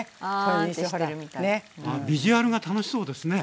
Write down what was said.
ビジュアルが楽しそうですね。